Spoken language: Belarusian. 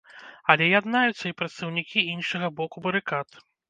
Але яднаюцца і прадстаўнікі іншага боку барыкад.